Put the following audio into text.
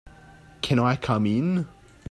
Can I come in?